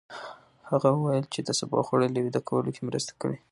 هغه وویل چې د سبو خوړل يې ویده کولو کې مرسته کړې.